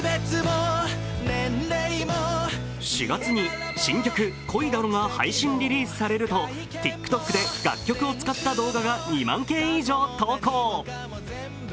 ４月に新曲「恋だろ」が配信リリースされるとＴｉｋＴｏｋで楽曲を使った動画が２万件以上投稿。